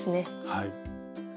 はい。